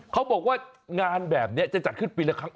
เขาบอกว่างานแบบนี้จะจัดขึ้นปีละครั้ง